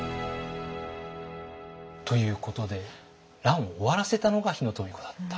ということで乱を終わらせたのが日野富子だった。